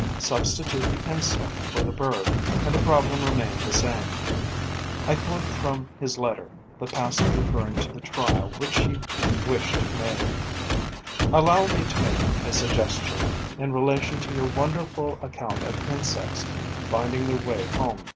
Substitute the insect for the bird; and the problem remained the same. I quote from his letter the passage referring to the trial which he wished made: 'Allow me to make a suggestion in relation to your wonderful account of insects finding their way home.